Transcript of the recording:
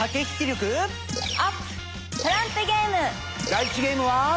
第１ゲームは。